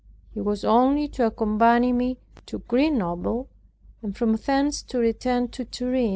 He was only to accompany me to Grenoble, and from thence to return to Turin.